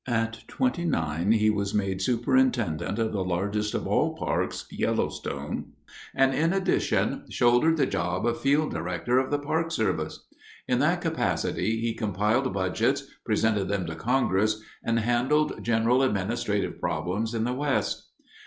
At twenty nine, he was made superintendent of the largest of all parks, Yellowstone, and in addition shouldered the job of Field Director of the Park Service. In that capacity he compiled budgets, presented them to congress, and handled general administrative problems in the West.